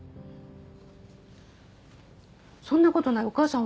「そんなことないお母さん